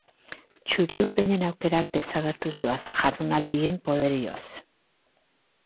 Txuri-urdinen aukerak desagertuz doaz jardunaldien poderioz.